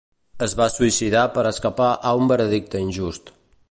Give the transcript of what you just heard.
Es va suïcidar per escapar a un veredicte injust.